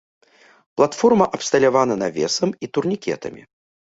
Платформа абсталявана навесам і турнікетамі.